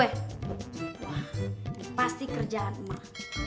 wah pasti kerjaan emak